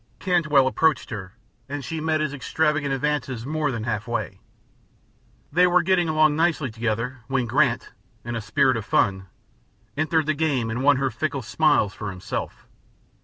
Cantwell approached her, and she met his extravagant advances more than halfway. They were getting along nicely together when Grant, in a spirit of fun, entered the game and won her fickle smiles for himself.